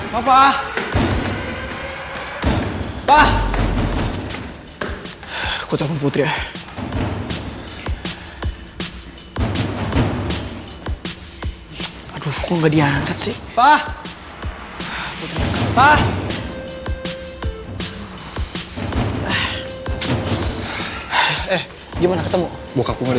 mana lain us yang terhormat